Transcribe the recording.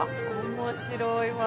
面白いわ。